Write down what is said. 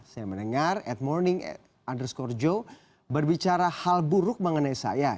saya mendengar atmorning at underscore joe berbicara hal buruk mengenai saya